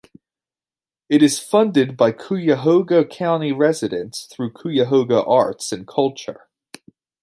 It is funded by Cuyahoga County residents through Cuyahoga Arts and Culture.